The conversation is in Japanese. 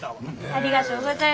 ありがとうございます。